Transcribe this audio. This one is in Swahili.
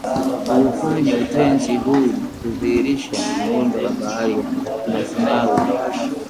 kuufanya utenzi huu kudhihirisha muundo wa bahari ya mathnawi